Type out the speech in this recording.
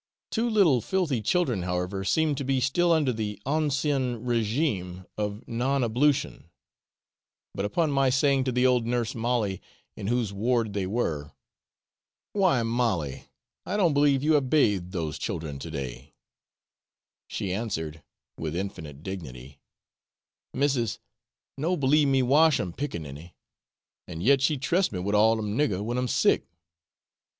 Two little filthy children, however, seemed to be still under the ancien régime of non ablution; but upon my saying to the old nurse Molly, in whose ward they were, 'Why, Molly, I don't believe you have bathed those children to day,' she answered, with infinite dignity, 'Missis no b'lieve me wash um piccaninny! and yet she tress me wid all um niggar when 'em sick.'